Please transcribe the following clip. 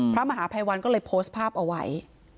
พระมหาภัยวันก็เลยโพสต์ภาพเอาไว้